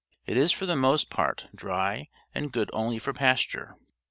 It is for the most part dry and good only for pasture.